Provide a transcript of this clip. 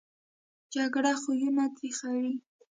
جګړه خویونه تریخوي